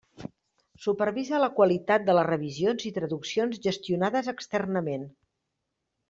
Supervisa la qualitat de les revisions i traduccions gestionades externament.